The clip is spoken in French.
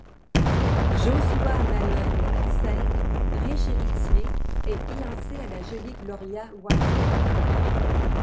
Joshua Mallon V, riche héritier, est fiancée à la jolie Gloria Wycott.